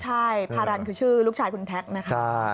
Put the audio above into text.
ใช่พารันคือชื่อลูกชายคุณแท็กนะคะ